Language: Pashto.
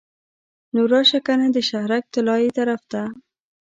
نو راشه کنه د شهرک طلایې طرف ته.